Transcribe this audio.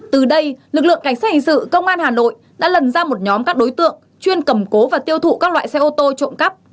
từ đây lực lượng cảnh sát hình sự công an hà nội đã lần ra một nhóm các đối tượng chuyên cầm cố và tiêu thụ các loại xe ô tô trộm cắp